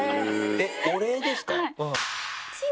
えっお礼ですか？